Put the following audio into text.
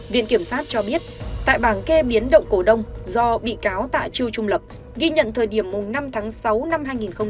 viện kiểm sát cho biết tại bảng kê biến động cổ đông do bị cáo tạ chu trung lập ghi nhận thời điểm năm tháng sáu năm hai nghìn một mươi chín